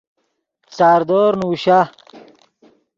ساردور نوشا